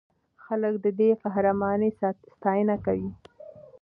خلک د دې قهرمانۍ ستاینه کوي.